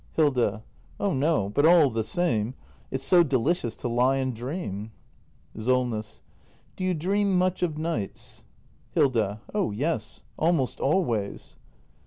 Hilda. Oh no! But all the same . It's so delicious to lie and dream. Solness. Do you dream much of nights? Hilda. Oh yes! Almost always.